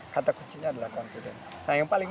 kata kuncinya adalah confident nah yang paling